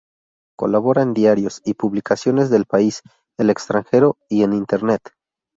Colabora en diarios y publicaciones del país, del extranjero y en Internet.